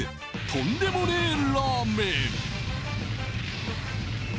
とんでもねぇラーメン。